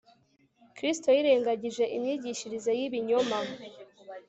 Kristo yirengagije imyigishirize yibinyoma